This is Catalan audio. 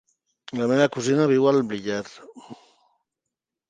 La meva cosina viu al Villar.